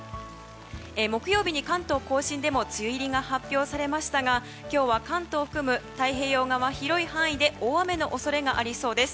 木曜日に関東・甲信でも梅雨入りが発表されましたが今日は関東を含む太平洋側は広い範囲で大雨の恐れがありそうです。